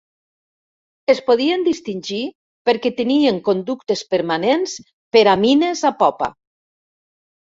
Es podien distingir perquè tenien conductes permanents per a mines a popa.